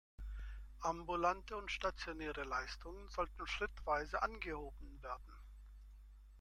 Ambulante und stationäre Leistungen sollen schrittweise angehoben werden.